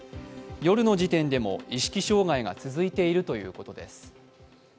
夜の時点でも意識障害が続いているということです。